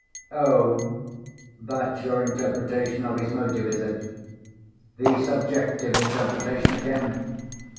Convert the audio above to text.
"Oh! That's your interpretation of his motive, is it? The Subjective interpretation again!